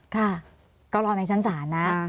ค่ะก็รอในชั้นศาลนะ